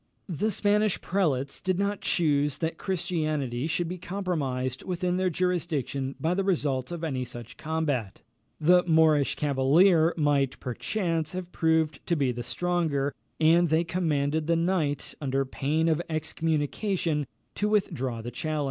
The Spanish prelates did not choose that Christianity should be compromised within their jurisdiction by the result of any such combat; the Moorish cavalier might, perchance, have proved to be the stronger, and they commanded the knight, under pain of excommunication, to withdraw the challenge.